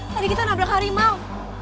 tadi kita nabrak harimau